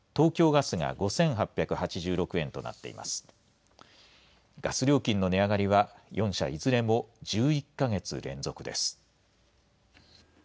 ガス料金の値上がりは、４社いずれも１１か月連続です。